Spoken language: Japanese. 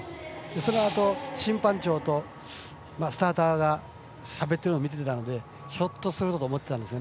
そのあと審判長とスターターがしゃべってるの見てたのでもしかしたらと思ったんです。